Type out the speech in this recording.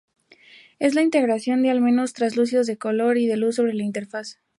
Es la integración de elementos translúcidos, de color y de luz sobre la interfaz.